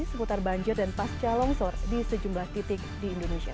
seputar banjir dan pascalongsor di sejumlah titik di indonesia